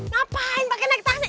ngapain pake naik taksi